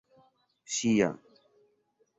ŝia